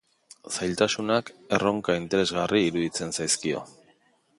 Zailtasunak erronka interesgarri iruditzen zaizkio.